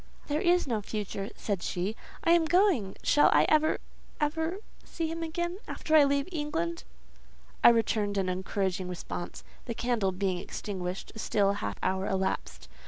"There is no future," said she: "I am going. Shall I ever—ever—see him again, after I leave England?" I returned an encouraging response. The candle being extinguished, a still half hour elapsed.